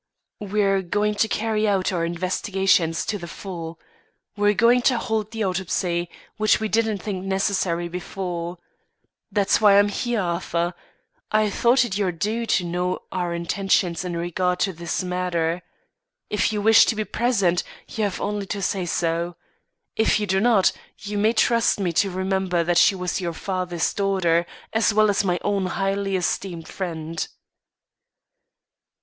"We're going to carry out our investigations to the full. We're going to hold the autopsy, which we didn't think necessary before. That's why I am here, Arthur. I thought it your due to know our intentions in regard to this matter. If you wish to be present, you have only to say so; if you do not, you may trust me to remember that she was your father's daughter, as well as my own highly esteemed friend."